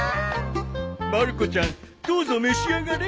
まる子ちゃんどうぞ召し上がれ。